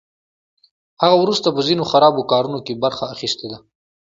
هغه وروسته په ځینو خرابو کارونو کې برخه اخیستې ده